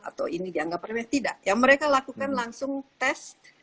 atau ini dianggap tidak yang mereka lakukan langsung tes